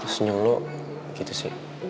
senyum lo gitu sih